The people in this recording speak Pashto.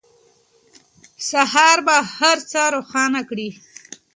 سهار به هر څه روښانه کړي.